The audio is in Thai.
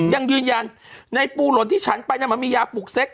ยังยืนยันในปูหล่นที่ฉันไปมันมียาปลูกเซ็ก